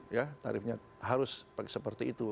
ya tarifnya harus seperti itu